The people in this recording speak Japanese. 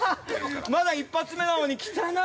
まだ一発目なのに、汚な。